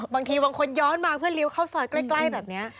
บางทีบางคนย้อนมาเพื่อเลี้ยวเข้าซอยใกล้แบบนี้